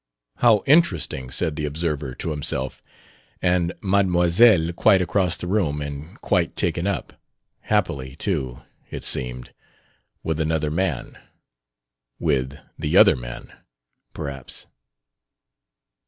"How interesting," said the observer to himself. "And Mademoiselle, quite across the room, and quite taken up" happily, too, it seemed "with another man: with the other man, perhaps?..."